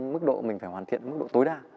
mức độ mình phải hoàn thiện mức độ tối đa